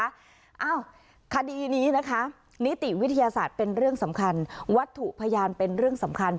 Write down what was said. อ้าวคดีนี้นะคะนิติวิทยาศาสตร์เป็นเรื่องสำคัญวัตถุพยานเป็นเรื่องสำคัญ